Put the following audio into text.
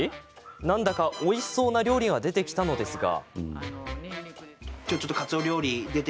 何だか、おいしそうな料理が出てきたのですが。